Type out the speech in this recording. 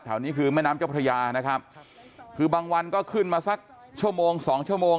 นี้คือแม่น้ำเจ้าพระยานะครับคือบางวันก็ขึ้นมาสักชั่วโมงสองชั่วโมง